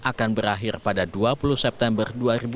akan berakhir pada dua puluh september dua ribu dua puluh